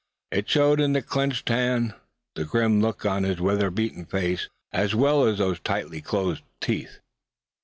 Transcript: It showed in the clenched hand, the grim look on his weather beaten face, as well as in those tightly closed teeth.